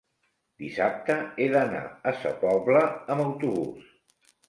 Dissabte he d'anar a Sa Pobla amb autobús.